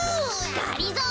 がりぞー